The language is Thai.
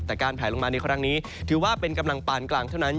แต่การแผลลงมาในครั้งนี้ถือว่าเป็นกำลังปานกลางเท่านั้น